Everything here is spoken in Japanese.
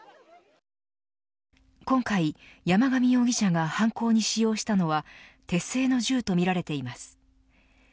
今回山上容疑者が犯行に使用したのは手製の銃とみられています。